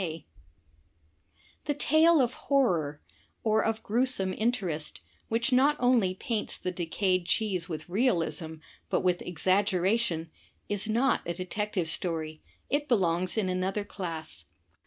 54 THE TECHNIQUE OF THE MYSTERY STORY The tale of horror, or of gruesome interest, which not only paints the decayed cheese with realism, but with exaggera tion, is not a Detective Story, it belongs in another class.